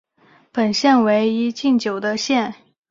本县为一禁酒的县。